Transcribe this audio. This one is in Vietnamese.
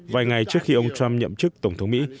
vài ngày trước khi ông trump nhậm chức tổng thống mỹ